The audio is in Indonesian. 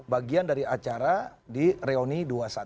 bagian dari acara di reuni dua ratus dua belas